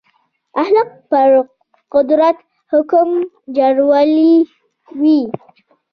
اخلاق پر قدرت حکم چلولی وي.